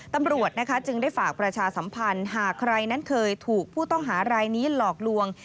ตำรวจนะคะจึงได้ฝากประชาสัมพันธ์หากใครนั้นเคยถูกผู้ต้องหารายนี้หลอกลวง